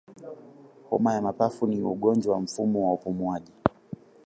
Homa ya mapafu ni ugonjwa wa mfumo wa upumuaji